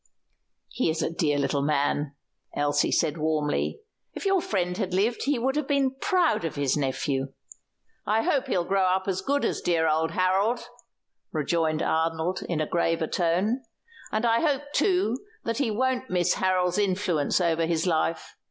"He is a dear little man," Elsie said warmly. "If your friend had lived he would have been proud of his nephew." "I hope he'll grow up as good as dear old Harold," rejoined Arnold in a graver tone. "And I hope, too, that he won't miss Harold's influence over his life.